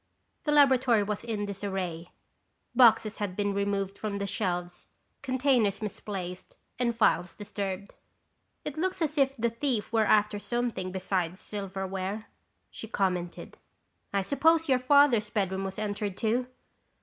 The laboratory was in disarray. Boxes had been removed from the shelves, containers misplaced and files disturbed. "It looks as if the thief were after something besides silverware," she commented. "I suppose your Father's bedroom was entered too?"